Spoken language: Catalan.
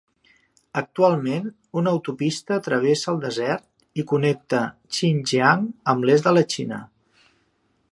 Actualment, una autopista travessa el desert i connecta Xinjiang amb l'est de la Xina.